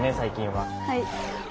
はい。